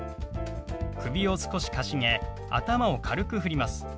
首を少しかしげ頭を軽くふります。